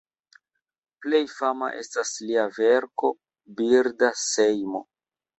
Plej fama estas lia verko "Birda sejmo".